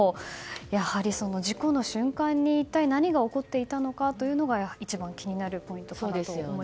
やはり、事故の瞬間に一体何が起こっていたのかというのが一番気になるポイントかなと思います。